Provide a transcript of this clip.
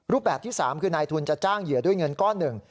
แบบที่๓คือนายทุนจะจ้างเหยื่อด้วยเงินก้อนหนึ่ง